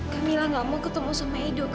kamila gak mau ketemu sama hidup